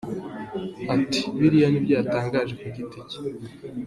Ati:” Biriya ni ibyo yatangaje ku giti cye.